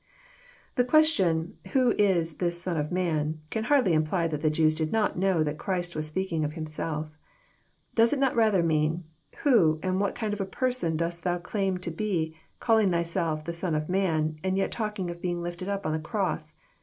The question "Who is this Son of man? "can hardly imply that the Jews did not know that Christ was speaking of Him self. Does It not rather mean, " Who, and what kind of a per son dost Thou claim to be, calling Thyself the Son of man, and yet talking of being lifted np on the cross?